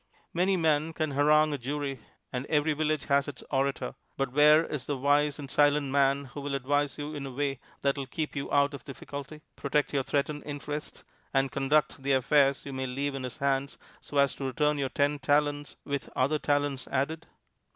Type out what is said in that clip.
Many men can harangue a jury, and every village has its orator; but where is the wise and silent man who will advise you in a way that will keep you out of difficulty, protect your threatened interests, and conduct the affairs you may leave in his hands so as to return your ten talents with other talents added!